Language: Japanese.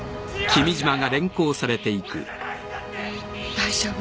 大丈夫？